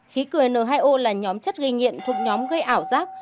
khí cười n hai o là nhóm chất gây nhiện thuộc nhóm gây ảo giác